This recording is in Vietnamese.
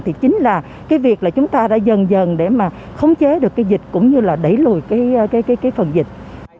thì chính là việc chúng ta đã dần dần để khống chế được dịch cũng như đẩy lùi phần dịch